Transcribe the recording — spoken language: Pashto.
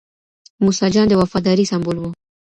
موسی جان د وفادارۍ سمبول و.